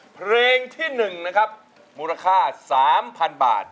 เพลงที่๑นะครับมูลค่า๓๐๐๐บาท